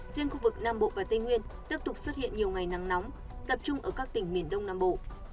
riêng khu vực nam bộ và tây nguyên tiếp tục xuất hiện nhiều ngày nắng nóng tập trung ở các tỉnh miền đông nam bộ